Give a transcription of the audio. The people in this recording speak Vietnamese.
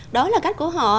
đó là cách của họ